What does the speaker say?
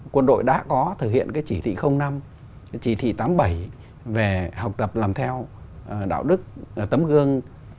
quân đội đã có thực hiện cái chỉ thị năm chỉ thị tám mươi bảy về học tập làm theo đạo đức tấm gương